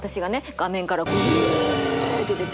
画面からこううわって出て。